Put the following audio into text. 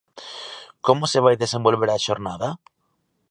Como se vai desenvolver a xornada?